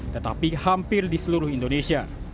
tetapi hampir di seluruh indonesia